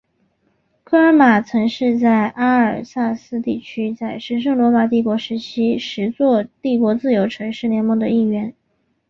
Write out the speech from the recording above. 科尔马曾是阿尔萨斯地区在神圣罗马帝国时期十座帝国自由城市联盟的一员。